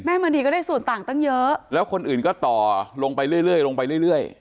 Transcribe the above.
แม่มณีก็ได้สูญต่างตั้งเยอะแล้วคนอื่นก็ต่อลงไปเรื่อยเรื่อยลงไปเรื่อยเรื่อย